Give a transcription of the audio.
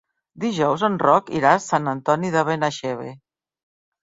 Dijous en Roc irà a Sant Antoni de Benaixeve.